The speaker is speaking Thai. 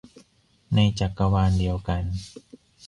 ในจักรวาลเดียวกัน